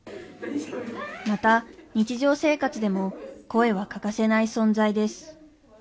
また日常生活でも声は欠かせない存在です。